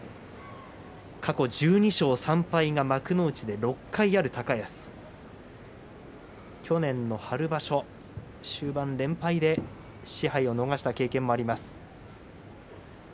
過去１２勝３敗幕内で６回ある高安去年の春場所、終盤に連敗で賜盃を逃した経験もあります。